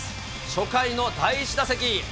初回の第１打席。